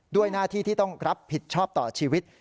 หน้าที่ที่ต้องรับผิดชอบต่อชีวิต